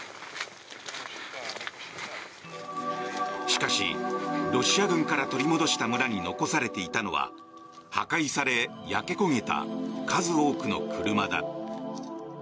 しかし、ロシア軍から取り戻した村に残されていたのは破壊され、焼け焦げた数多くの車だ。